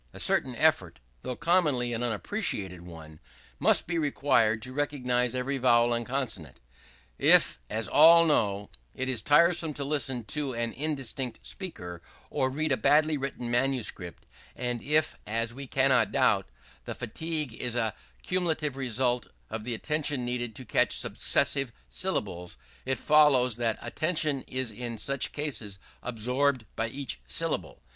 A certain effort, though commonly an inappreciable one, must be required to recognize every vowel and consonant. If, as all know, it is tiresome to listen to an indistinct speaker, or read a badly written manuscript; and if, as we cannot doubt, the fatigue is a cumulative result of the attention needed to catch successive syllables; it follows that attention is in such cases absorbed by each syllable.